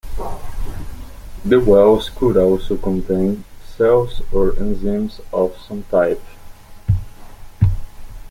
The wells could also contain cells or enzymes of some type.